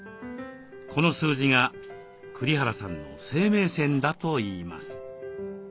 この数字が栗原さんの生命線だといいます。